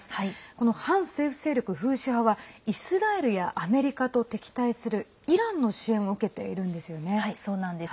この反政府勢力フーシ派はイスラエルやアメリカと敵対するイランの支援をそうなんです。